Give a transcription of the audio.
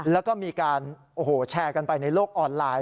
แล้วก็มีการแชร์กันไปในโลกออนไลน์